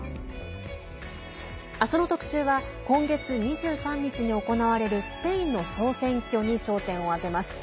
明日の特集は今月２３日に行われるスペインの総選挙に焦点を当てます。